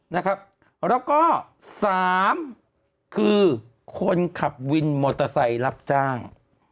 แล้วก็สามคือคนขับวินมอเตอร์ไซค์รับจ้าง